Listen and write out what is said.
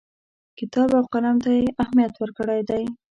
کتاب او قلم ته یې اهمیت ورکړی دی.